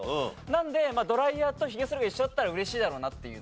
なのでドライヤーとひげそりが一緒だったら嬉しいだろうなという。